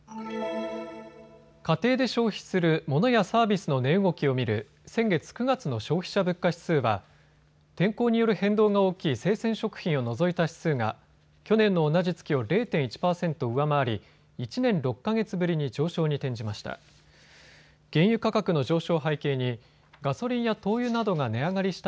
家庭で消費するモノやサービスの値動きを見る先月９月の消費者物価指数は天候による変動が大きい生鮮食品を除いた指数が去年の同じ月を０．１％上回り１年６か月ぶりに上昇に転じました。